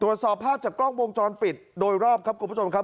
ตรวจสอบภาพจากกล้องวงจรปิดโดยรอบครับคุณผู้ชมครับ